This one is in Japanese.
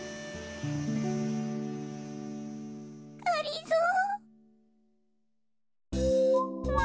がりぞー。